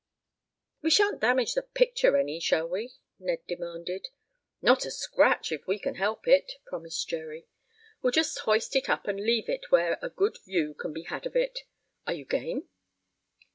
"We shan't damage the picture any; shall we?" Ned demanded. "Not a scratch, if we can help it," promised Jerry. "We'll just hoist it up and leave it where a good view can be had of it. Are you game?"